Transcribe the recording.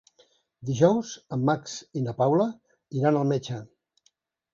Dijous en Max i na Paula iran al metge.